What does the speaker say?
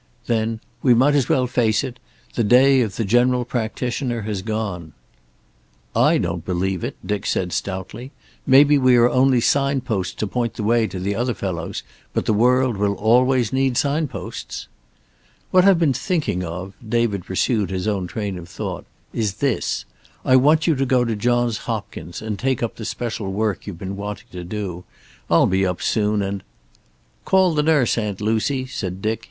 Then: "We might as well face it. The day of the general practitioner has gone." "I don't believe it," Dick said stoutly. "Maybe we are only signposts to point the way to the other fellows, but the world will always need signposts." "What I've been thinking of," David pursued his own train of thought, "is this: I want you to go to Johns Hopkins and take up the special work you've been wanting to do. I'll be up soon and " "Call the nurse, Aunt Lucy," said Dick.